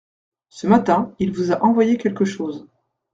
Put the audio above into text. Ce matin, il vous a envoyé quelque chose.